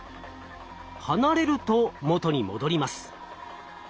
離れると元に戻ります。